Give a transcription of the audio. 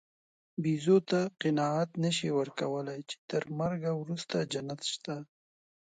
بیزو ته قناعت نهشې ورکولی، چې تر مرګ وروسته جنت شته.